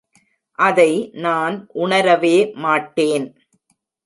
அதை நான் உணரவே மாட்டேன்.